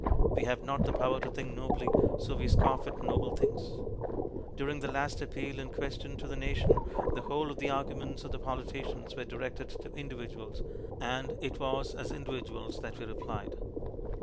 We have not the power to think nobly, so we scoff at noble things. During the last appeal in question to the nation, the whole of the arguments of the politicians were directed to individuals, and it was as individuals that we replied.